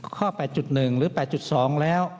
๘๑หรือ๘๒แล้ว